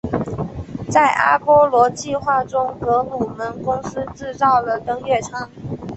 在阿波罗计划中格鲁门公司制造了登月舱。